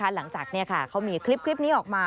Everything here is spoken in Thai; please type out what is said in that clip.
หลังจากเขามีคลิปนี้ออกมา